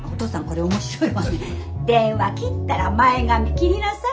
電話切ったら前髪切りなさい。